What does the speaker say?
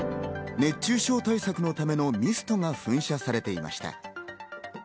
熱中症対策のためのミストが噴射されていました。